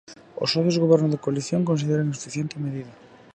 Os socios do Goberno de coalición consideran insuficiente a medida.